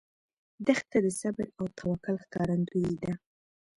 دښته د صبر او توکل ښکارندوی ده.